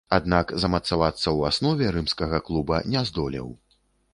Аднак замацавацца ў аснове рымскага клуба не здолеў.